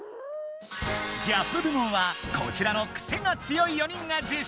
ギャップ部門はこちらのクセが強い４人が受賞！